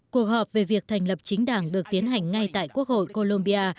cuộc họp về việc thành lập chính đảng được tiến hành ngay tại quốc hội colombia